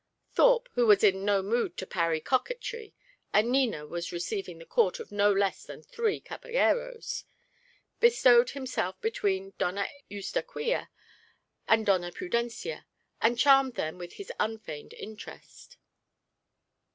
Thorpe, who was in no mood to parry coquetry, and Nina was receiving the court of no less than three caballeros, bestowed himself between Doña Eustaquia and Doña Prudencia, and charmed them with his unfeigned interest.